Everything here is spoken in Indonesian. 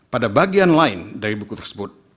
pada bagian lain dari buku tersebut